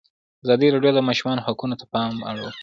ازادي راډیو د د ماشومانو حقونه ته پام اړولی.